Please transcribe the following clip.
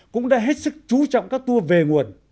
cũng đã hết sức chú trọng các tour về nguồn